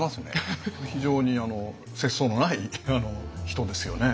非常に節操のない人ですよね。